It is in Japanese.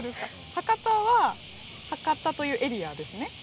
博多は博多というエリアですね。